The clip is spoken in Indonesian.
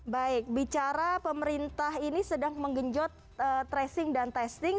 baik bicara pemerintah ini sedang menggenjot tracing dan testing